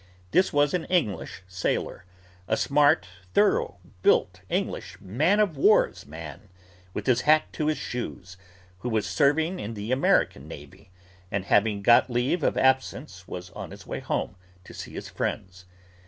This was an English sailor, a smart, thorough built, English man of war's man from his hat to his shoes, who was serving in the American navy, and having got leave of absence was on his way home to see his friends.